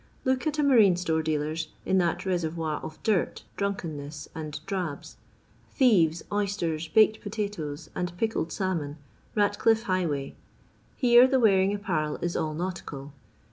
Look at a marine store dealer'Sy in that reservoir of dirt, drunkenness, and drabs : thieves, oysters, baked potatoes, and pickled salmon — Batcliff highway. , Here, the I wearing apparel is all nautical.